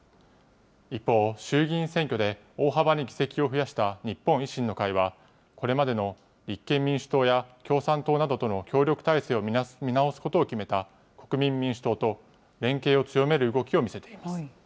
一方、衆議院選挙で大幅に議席を増やした日本維新の会は、これまでの立憲民主党や共産党などとの協力体制を見直すことを決めた国民民主党と連携を強める動きを見せています。